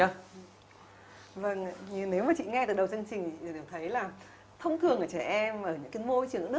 vâng nếu mà chị nghe từ đầu chương trình thì đều thấy là